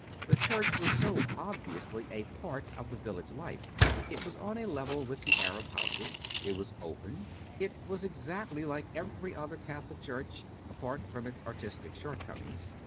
The church was so ob viously a part of the village life; it was on a level with the Arab houses; it was open; it was exactly like every other Catholic church, apart from its artistic shortcomings.